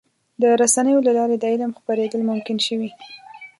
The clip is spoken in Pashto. د رسنیو له لارې د علم خپرېدل ممکن شوي.